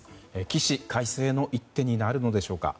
起死回生の一手になるのでしょうか。